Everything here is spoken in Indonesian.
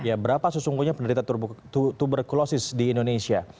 ya berapa sesungguhnya penderita tuberkulosis di indonesia